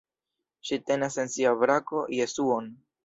Ŝi tenas en sia brako Jesuon.